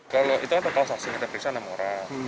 kalau itu total saksi kita periksa enam orang